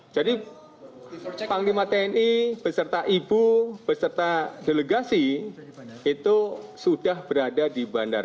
jadi pak panglima tni beserta ibu beserta delegasi itu sudah berada di bandara